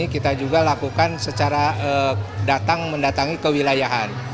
kita juga lakukan secara datang mendatangi kewilayahan